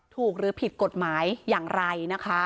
หรือผิดกฎหมายอย่างไรนะคะ